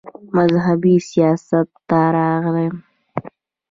مذهبي سياست ته راغے